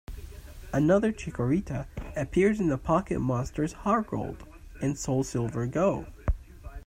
Another Chikorita appears in the Pocket Monsters HeartGold and SoulSilver Go!